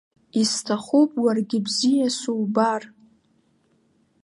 Исҭахуп уаргьы бзиа субар.